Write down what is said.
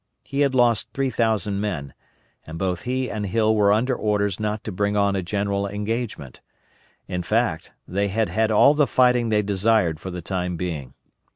He had lost 3,000 men, and both he and Hill were under orders not to bring on a general engagement. In fact they had had all the fighting they desired for the time being.